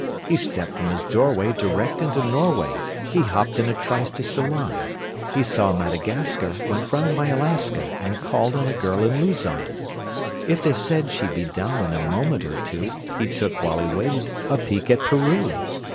He stepped from his doorway Direct into Norway, He hopped in a trice to Ceylon, He saw Madagascar, Went round by Alaska, And called on a girl in Luzon: If they said she'd be down in a moment or two, He took, while he waited, a peek at Peru!